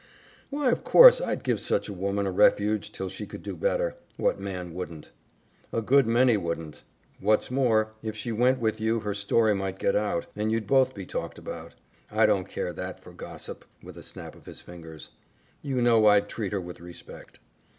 "Why, of course I'd give such a woman a refuge till she could do better. What man wouldn't?" "A good many wouldn't. What's more, if she went with you her story might get out, and you'd both be talked about." "I don't care that for gossip," with a snap of his fingers. "You know I'd treat her with respect."